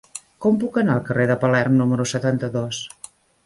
Com puc anar al carrer de Palerm número setanta-dos?